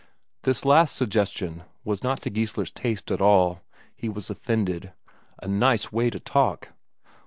This last suggestion was not to Geissler's taste at all; he was offended. A nice way to talk!